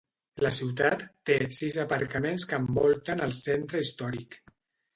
La ciutat té sis aparcaments que envolten el centre històric.